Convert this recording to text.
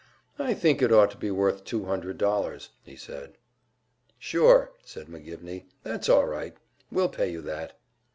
"I think it ought to be worth two hundred dollars," he said. "Sure," said McGivney, "that's all right. We'll pay you that."